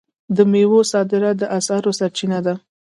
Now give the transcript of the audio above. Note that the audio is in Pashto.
د میوو صادرات د اسعارو سرچینه ده.